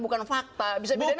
bukan fakta bisa bedanya nggak